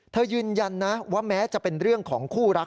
ยืนยันนะว่าแม้จะเป็นเรื่องของคู่รัก